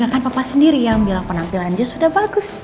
biar kan papa sendiri yang bilang penampilan jess udah bagus